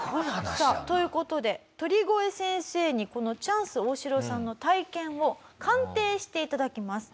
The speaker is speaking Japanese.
さあという事で鳥越先生にこのチャンス大城さんの体験を鑑定して頂きます。